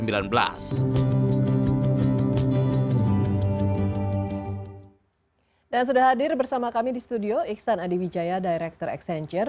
dan sudah hadir bersama kami di studio iksan adi wijaya director accenture